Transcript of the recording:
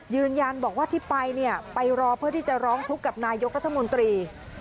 ยืนยันบอกว่าที่ไปเนี่ยไปรอเพื่อที่จะร้องทุกข์กับนายกรัฐมนตรี